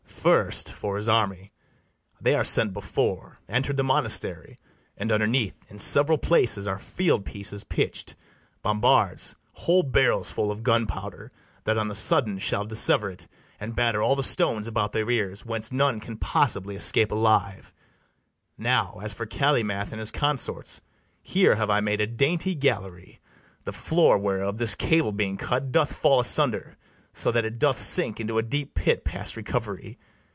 First, for his army, they are sent before, Enter'd the monastery, and underneath In several places are field pieces pitch'd, Bombards, whole barrels full of gunpowder, That on the sudden shall dissever it, And batter all the stones about their ears, Whence none can possibly escape alive: Now, as for Calymath and his consorts, Here have I made a dainty gallery, The floor whereof, this cable being cut, Doth fall asunder, so that it doth sink Into a deep pit past recovery.